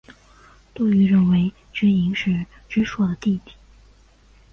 杜预认为知盈是知朔的弟弟。